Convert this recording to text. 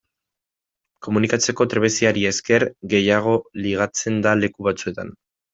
Komunikatzeko trebeziari esker gehiago ligatzen da leku batzuetan.